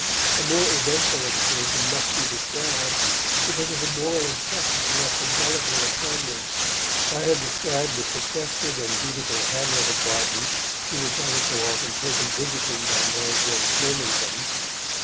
A more eventful excursion must be described, because of the moral impression it left indelibly upon me. I have described the sequestered and beautiful hamlet of Barton, to which I was so often taken visiting by Mary Grace Burmington.